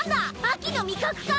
秋の味覚か？